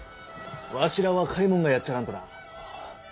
わしら若いもんがやっちゃらんとな！